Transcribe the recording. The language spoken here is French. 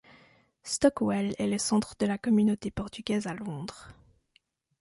Stockwell est le centre de la communauté portugaise à Londres.